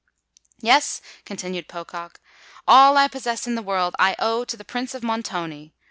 "Yes," continued Pocock: "all I possess in the world I owe to the Prince of Montoni.